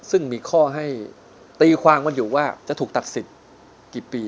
ซึ่งมีข้อให้ตีความกันอยู่ว่าจะถูกตัดสิทธิ์กี่ปี